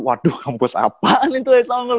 waduh kampus apaan itu somgul